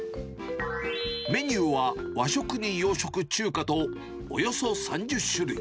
メニューは和食に洋食、中華と、およそ３０種類。